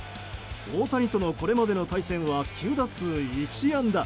大谷とのこれまでの対戦は９打数１安打。